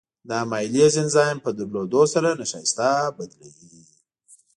د امایلیز انزایم په درلودو سره نشایسته بدلوي.